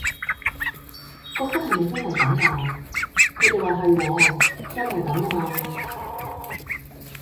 覺得係咪真係咁㗎，佢哋話係喎真係咁㗎嘛